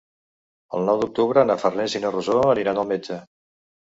El nou d'octubre na Farners i na Rosó aniran al metge.